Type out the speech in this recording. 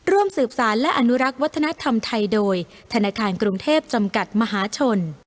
ร่วมสืบสารและอนุรักษ์วัฒนธรรมไทยโดยธนาคารกรุงเทพจำกัดมหาชน